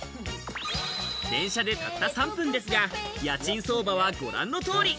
電車でたった３分ですが、家賃相場はご覧の通り。